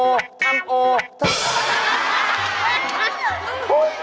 โอ้โฮเฮ่ย